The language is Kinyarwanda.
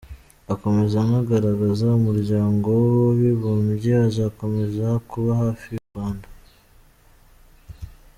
Akomeza anagaragaza Umuryango w’Abibumbye uzakomeza kuba hafi u Rwanda.